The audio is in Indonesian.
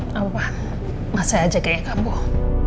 gak apa apa masih aja kayak kampuh